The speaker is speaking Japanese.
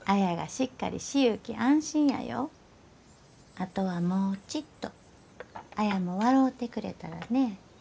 あとはもうちっと綾も笑うてくれたらね。